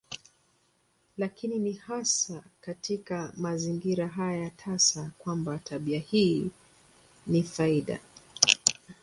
Lakini ni hasa katika mazingira haya tasa kwamba tabia hii ni faida.